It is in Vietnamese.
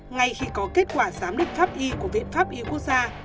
ngay khi có kết quả giám định pháp y của viện pháp y quốc gia